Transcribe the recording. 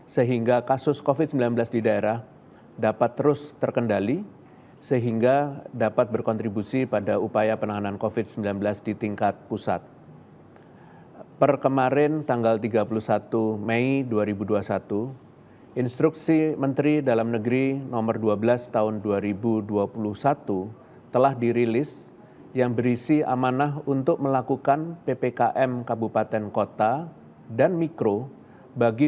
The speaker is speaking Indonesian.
sehingga kasus covid sembilan belas di daerah dapat terus terkendali